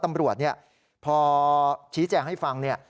ตำรวจเนี่ยพอชี้แจงให้ฟังเนี่ย